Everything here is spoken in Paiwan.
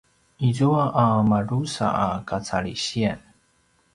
izua a madrusa a kacalisiyan